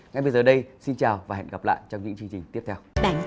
ngay bây giờ đây xin chào và hẹn gặp lại trong những chương trình tiếp theo